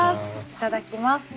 いただきます。